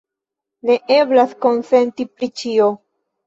Ne eblas konsenti pri ĉio.